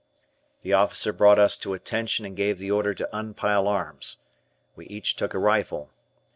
The officer brought us to attention and gave the order to unpile arms. We each took a rifle.